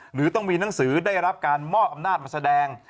หรือต้องมีหนังสือได้รับการมอบอำนาจมาแสดง